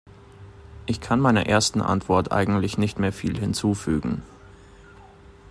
Ich kann meiner ersten Antwort eigentlich nicht mehr viel hinzufügen.